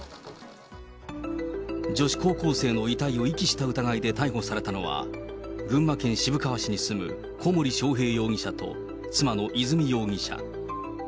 女子高校生の遺体を遺棄した疑いで逮捕されたのは、群馬県渋川市に住む小森章平容疑者と、妻の和美容疑者。